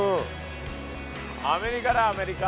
アメリカだアメリカ。